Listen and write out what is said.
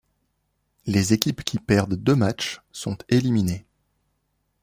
Les équipes qui perdent deux matches sont éliminées.